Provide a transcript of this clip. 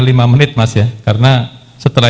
lima menit mas ya karena setelah